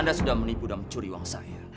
anda sudah menipu dan mencuri uang saya